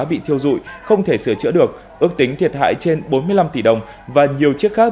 bị thiêu dụi không thể sửa chữa được ước tính thiệt hại trên bốn mươi năm tỷ đồng và nhiều chiếc khác